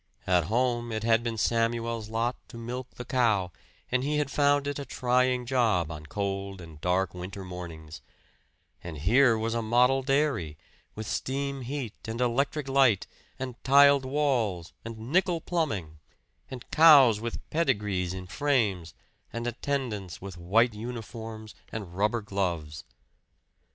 At home it had been Samuel's lot to milk the cow, and he had found it a trying job on cold and dark winter mornings; and here was a model dairy, with steam heat and electric light, and tiled walls and nickel plumbing, and cows with pedigrees in frames, and attendants with white uniforms and rubber gloves.